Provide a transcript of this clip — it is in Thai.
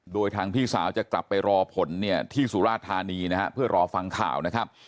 โดยทางพี่สาวจะกลับไปรอผลที่สุราธารณีเพื่อรอฟังข่าว